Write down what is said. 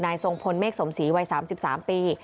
ทรงพลเมฆสมศรีวัย๓๓ปี